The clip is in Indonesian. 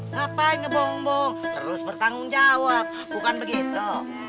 ngapain ngebong bong terus bertanggung jawab bukan begitu